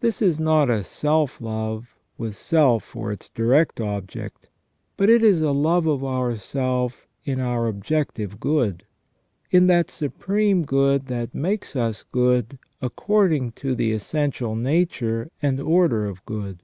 This is not a self love, with self for its direct object, but it is a love of ourself in our objective good, in that supreme good that makes us good according to the essential nature and order of good.